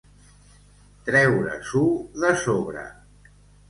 Treure-s'ho de sobre.